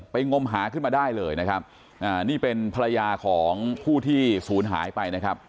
งมหาขึ้นมาได้เลยนะครับอ่านี่เป็นภรรยาของผู้ที่ศูนย์หายไปนะครับ